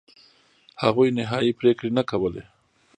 هغوی نهایي پرېکړې نه کولې.